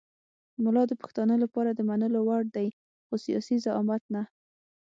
ملا د پښتانه لپاره د منلو وړ دی خو سیاسي زعامت نه.